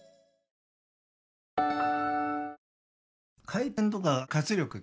回転とか活力